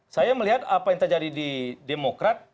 saya melihat apa yang terjadi di demokrat